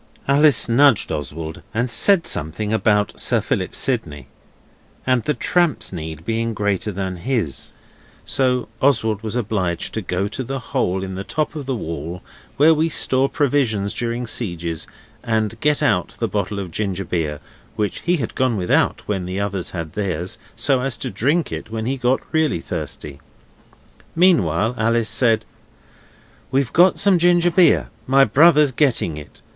Alice nudged Oswald and said something about Sir Philip Sidney and the tramp's need being greater than his, so Oswald was obliged to go to the hole in the top of the wall where we store provisions during sieges and get out the bottle of ginger beer which he had gone without when the others had theirs so as to drink it when he got really thirsty. Meanwhile Alice said 'We've got some ginger beer; my brother's getting it.